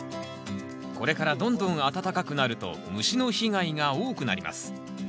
これからどんどん暖かくなると虫の被害が多くなります。